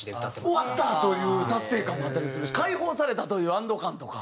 終わった！という達成感もあったりするし解放されたという安堵感とか。